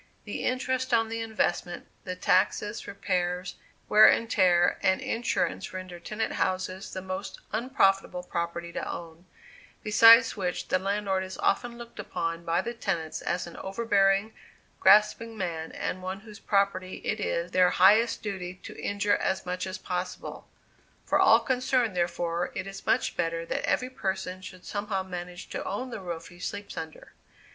The interest on the investment, the taxes, repairs, wear and tear, and insurance render tenant houses the most unprofitable property to own; besides which the landlord is often looked upon by the tenants as an overbearing, grasping man and one whose property it is their highest duty to injure as much as possible; for all concerned therefore, it is much better that every person should somehow manage to own the roof he sleeps under.